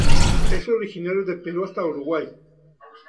Es originario de Perú hasta Uruguay.